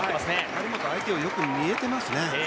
張本、相手をよく見えてますね。